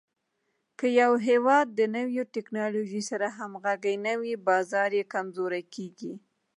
که یو هېواد د نوې ټکنالوژۍ سره همغږی نه وي، بازار یې کمزوری کېږي.